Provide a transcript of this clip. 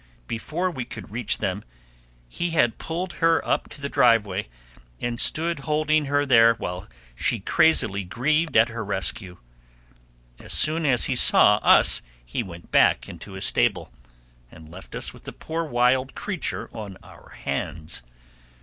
Before we could reach them he had pulled her up to the driveway, and stood holding her there while she crazily grieved at her rescue. As soon as he saw us he went back into his stable, and left us with the poor wild creature on our hands.